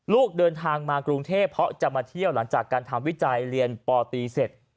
ลูกเดินทางมากรุงเทพเพราะจะมาเที่ยวหลังจากการทำวิจัยเรียนปตีเสร็จ